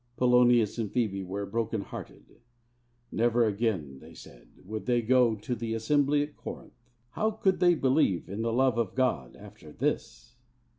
Polonius and Phebe were broken hearted. Never again, they said, would they go to the assembly at Corinth. How could they believe in the love of God after this?